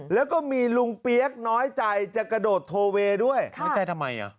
แล้วก็มีลุงเปี๊ยกน้อยใจจะกระโดดโทเวย์ด้วยน้อยใจทำไมอ่ะ